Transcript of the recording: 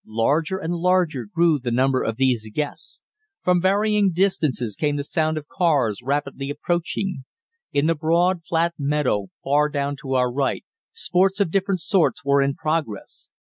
Larger and larger grew the number of these guests. From varying distances came the sound of cars rapidly approaching. In the broad, flat meadow, far down to our right, sports of different sorts were in progress.